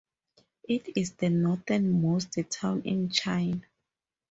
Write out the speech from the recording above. It is the northernmost town in China.